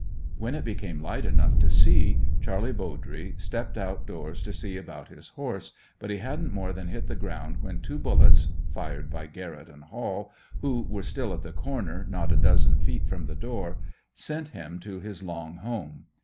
When it became light enough to see, Charlie Bowdre stepped out doors to see about his horse, but he hadn't more than hit the ground when two bullets, fired by Garrett and Hall, who were still at the corner not a dozen feet from the door, sent him to his long home.